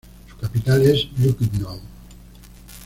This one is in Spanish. Su capital es Lucknow.